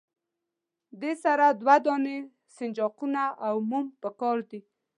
دې سره دوه دانې سنجاقونه او موم پکار دي.